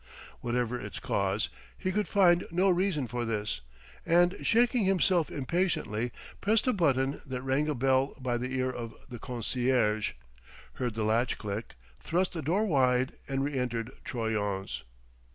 Whatever its cause, he could find no reason for this; and shaking himself impatiently, pressed a button that rang a bell by the ear of the concierge, heard the latch click, thrust the door wide, and re entered Troyon's.